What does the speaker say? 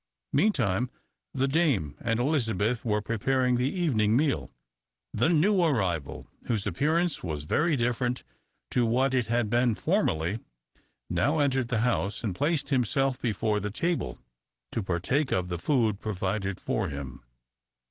Meantime, the dame and Elizabeth were preparing the evening meal. The new arrival, whose appearance was very different to what it had been formerly, now entered the house, and placed himself before the table, to partake of the food provided for him.